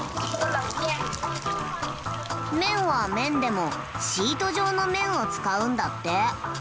麺は麺でもシート状の麺を使うんだって。